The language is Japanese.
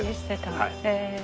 へえ。